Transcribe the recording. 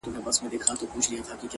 سترگي په خوبونو کي راونغاړه-